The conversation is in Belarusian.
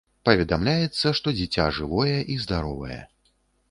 Паведамляецца, што дзіця жывое і здаровае.